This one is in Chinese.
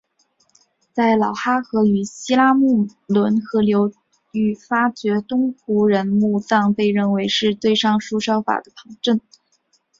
在老哈河与西拉木伦河流域发掘的东胡人墓葬被认为是对上述说法的旁证。